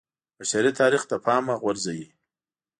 بشري تاریخ له پامه غورځوي